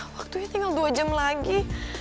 waktunya tinggal dua jam lagi